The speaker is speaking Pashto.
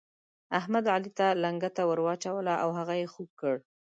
احمد، علي ته لنګته ور واچوله او هغه يې خوږ کړ.